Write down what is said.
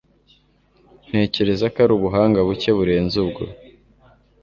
Ntekereza ko ari ubuhanga buke burenze ubwo.